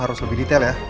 harus lebih detail ya